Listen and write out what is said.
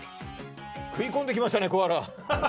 食い込んできましたねコアラ。